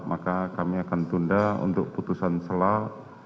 maka kami akan tunda untuk putusan selal